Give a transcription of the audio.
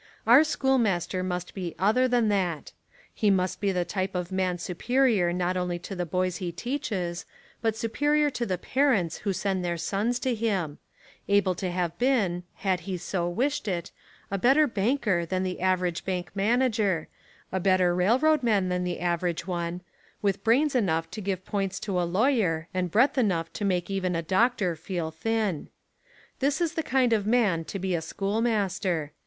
Our Schoolmaster must be other than that. He must be the type of man superior not only to the boys he teaches, but superior to the parents who send their sons to him ; able to have been, had he so wished it, a better banker than the average bank manager, a better rail road man than the average one, with brains enough to give points to a lawyer and breadth enough to make even a doctor feel thin. This is the kind of man to be a schoolmaster.